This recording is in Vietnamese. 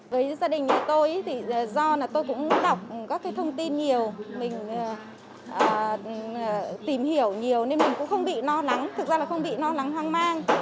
với gia đình như tôi thì do tôi cũng đọc các thông tin nhiều mình tìm hiểu nhiều nên mình cũng không bị no lắng thực ra là không bị no lắng hoang mang